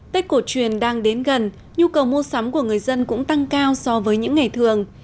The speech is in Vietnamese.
tết cổ truyền đang đến gần nhu cầu mua sắm của người dân cũng tăng cao so với những ngày thường